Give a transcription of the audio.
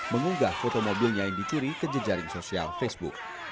mengunggah foto mobilnya yang dicuri ke jejaring sosial facebook